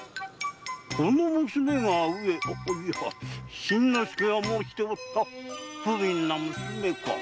この娘が上いや新之助が申しておった不憫な娘か。